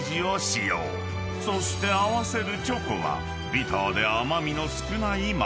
［そして合わせるチョコはビターで甘味の少ない物］